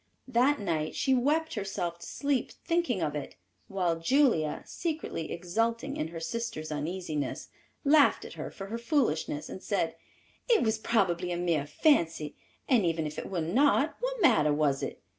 That night she wept herself to sleep thinking of it, while Julia, secretly exulting in her sister's uneasiness, laughed at her for her foolishness, and said, "It was probably a mere fancy, and even if it were not; what matter was it?